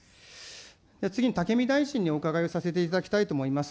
次に武見大臣にお伺いをさせていただきたいと思います。